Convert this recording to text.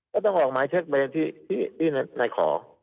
ก็ต้องออกหมายเช็คไปที่นายขอ